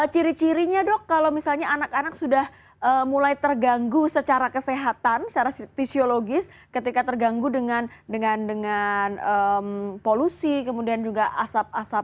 ciri cirinya dok kalau misalnya anak anak sudah mulai terganggu secara kesehatan secara fisiologis ketika terganggu dengan polusi kemudian juga asap asap